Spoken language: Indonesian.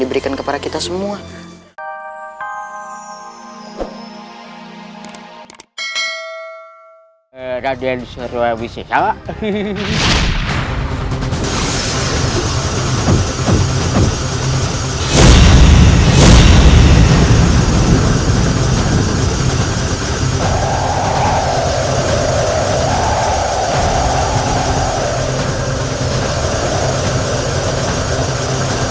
diberikan kepada kita semua er agensi revisi sama hehehe